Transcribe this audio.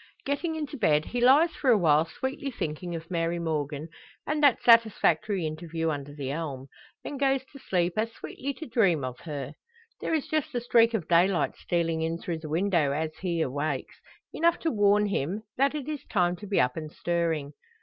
Getting into bed, he lies for a while sweetly thinking of Mary Morgan, and that satisfactory interview under the elm; then goes to sleep as sweetly to dream of her. There is just a streak of daylight stealing in through the window as he awakes; enough to warn him that it is time to be up and stirring.